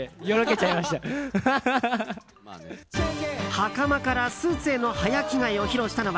はかまからスーツへの早着替えを披露したのは